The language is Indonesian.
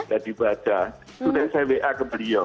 sudah dibaca sudah saya wa ke beliau